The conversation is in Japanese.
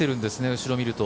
後ろを見ると。